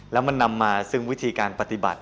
แล้วมันนำมาซึ่งวิธีการปฏิบัติ